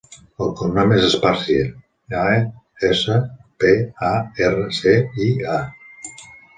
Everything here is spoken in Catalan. El cognom és Esparcia: e, essa, pe, a, erra, ce, i, a.